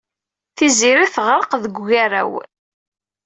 Tiziri teɣreq deg ugaraw.